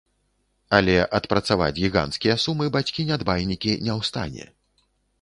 Але адпрацаваць гіганцкія сумы бацькі-нядбайнікі не ў стане.